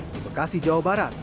di bekasi jawa barat